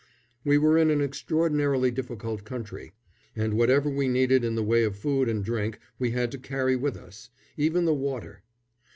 We were in an extraordinarily difficult country, and whatever we needed in the way of food and drink we had to carry with us even the water.